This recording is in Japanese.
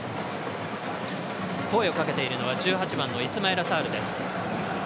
声をかけているのは１８番のイスマイラ・サールです。